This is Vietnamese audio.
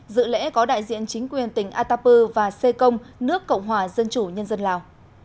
dự lễ có đại diện chính quyền tỉnh atapu và xê công nước cộng hòa dân chủ nhân dân lào